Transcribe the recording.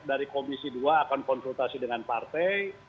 dari komisi dua akan konsultasi dengan partai